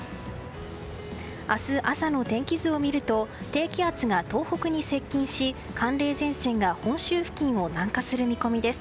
明日、朝の天気図を見ると低気圧が東北に接近し寒冷前線が本州付近を南下する見込みです。